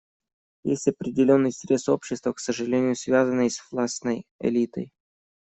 Есть определенный срез общества, к сожалению связанный с властной элитой.